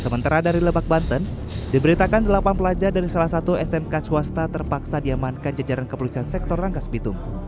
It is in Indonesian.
sementara dari lebak banten diberitakan delapan pelajar dari salah satu smk swasta terpaksa diamankan jajaran kepolisian sektor rangkas bitung